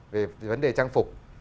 về vấn đề trang phục